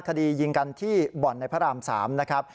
คดียิงกันที่บ่อนในพระราม๓นะครับ